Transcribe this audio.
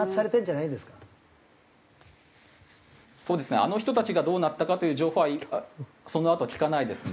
あの人たちがどうなったかという情報はそのあと聞かないですね。